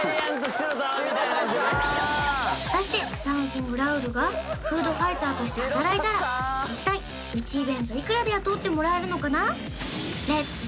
果たしてダンシングラウールがフードファイターとして働いたら一体１イベントいくらで雇ってもらえるのかな？